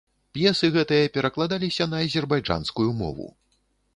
П'есы гэтыя перакладаліся на азербайджанскую мову.